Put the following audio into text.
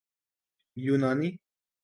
یونانی